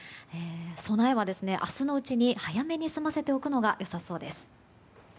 備えは明日のうちに早めに済ませておくのが良さそうです。